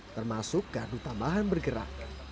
termasuk gardu tambahan bergerak